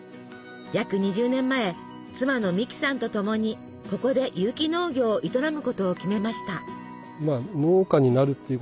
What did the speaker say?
約２０年前妻の美木さんとともにここで有機農業を営むことを決めました。